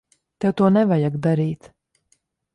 Tev to nevajag darīt.